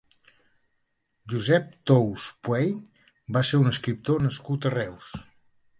Josep Thous Puey va ser un escriptor nascut a Reus.